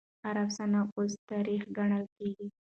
هر افسانه اوس تاريخ ګڼل کېږي.